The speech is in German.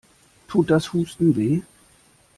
Tut das Husten weh?